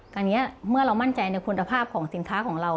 คราวนี้เมื่อเรามั่นใจในคุณภาพของสินค้าของเรา